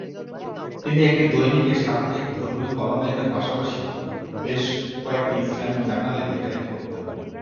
তিনি একটি দৈনিকে সাপ্তাহিক ধর্মীয় কলাম লেখার পাশাপাশি বেশ কয়েকটি ইসলামিক জার্নালে লেখালেখি করতেন।